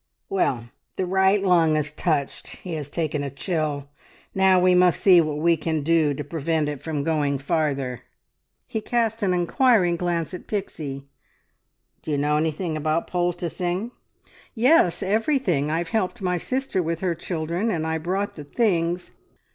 "Well! The right lung is touched. He has taken a chill. Now we must see what we can do to prevent it from going farther." He cast an inquiring glance at Pixie. "D'you know anything about poulticing?" "Yes, everything! I've helped my sister with her children, and I brought the things..."